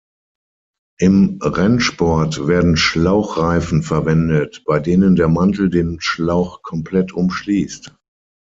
Im Rennsport werden Schlauchreifen verwendet, bei denen der Mantel den Schlauch komplett umschließt.